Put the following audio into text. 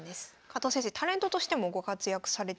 加藤先生タレントとしてもご活躍されております。